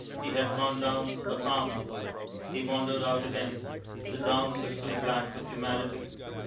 He had gone down a pound. He wandered out again. The downs were still black with humanity.